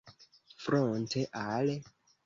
fronte al